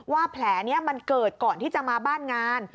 แผลนี้มันเกิดก่อนที่จะมาบ้านงาน